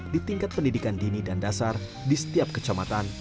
di tingkat pendidikan dini dan dasar di setiap kecamatan